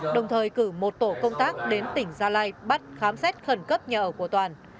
đồng thời cử một tổ công tác đến tỉnh gia lai bắt khám xét khẩn cấp nhà ở của toàn